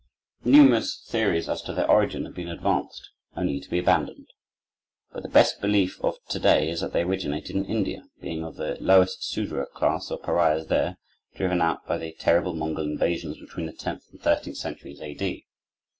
Numerous theories as to their origin have been advanced, only to be abandoned. But the best belief of to day is that they originated in India, being of the lowest Soodra caste or Pariahs there, driven out by the terrible Mongol invasions between the tenth and thirteenth centuries A. D.